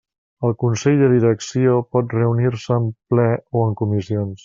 El Consell de Direcció pot reunir-se en ple o en comissions.